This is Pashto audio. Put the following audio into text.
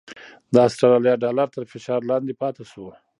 د اسټرالیا ډالر تر فشار لاندې پاتې شو؛